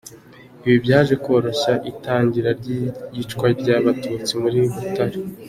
Ibi byaje koroshya itangira ry’iyicwa ry’Abatutsi muri Butare.